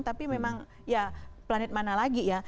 tapi memang ya planet mana lagi ya